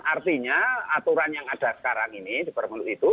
artinya aturan yang ada sekarang ini dipermelu itu